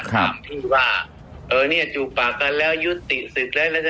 ข้ามที่ว่าเออเนี่ยจูบปากกันแล้วยุทธิสึกแล้วว่าไม่ใช่